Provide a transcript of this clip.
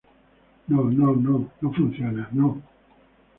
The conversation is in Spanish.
no, no, no. no funciona, no.